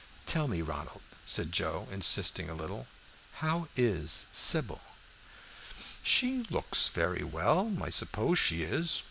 "Tell me, Ronald," said Joe, insisting a little, "how is Sybil?" "She looks very well, so I suppose she is.